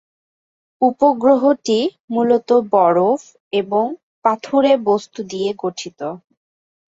উপগ্রহটি মূলত বরফ এবং পাথুরে বস্তু দিয়ে গঠিত।